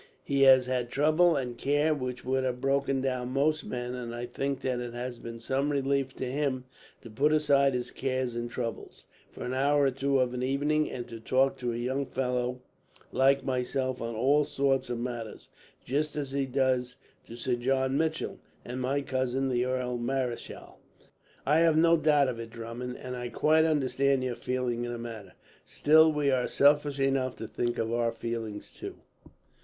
He has had trouble and care which would have broken down most men, and I think that it has been some relief to him to put aside his cares and troubles, for an hour or two of an evening, and to talk to a young fellow like myself on all sorts of matters; just as he does to Sir John Mitchell, and my cousin, the Earl Marischal." "I have no doubt of it, Drummond, and I quite understand your feeling in the matter. Still, we are selfish enough to think of our feelings, too."